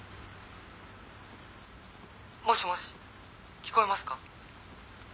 もしもし聞こえますか？